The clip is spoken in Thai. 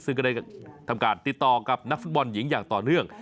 ซึ่งก็ได้ทำการติดต่อกับนักฟุตบอลหญิงอย่างต่อเนื่อง